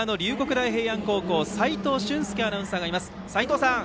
大平安高校アルプス齋藤舜介アナウンサーがいます。